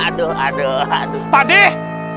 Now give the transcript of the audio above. aduh aduh aduh